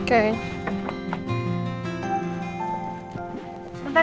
aku ingin menelepon kiki dulu